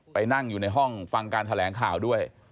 ไปนั่งอยู่ในห้องฟังการแถลงข่าวด้วย